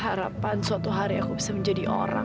harapan suatu hari aku bisa menjadi orang